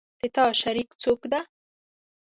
د تا شریک څوک ده